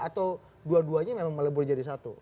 atau dua duanya memang melebur jadi satu